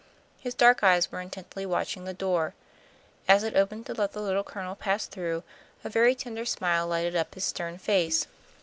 His dark eyes were intently watching the door. As it opened to let the Little Colonel pass through, a very tender smile lighted up his stern face.